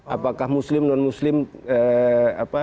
apakah muslim non muslim apa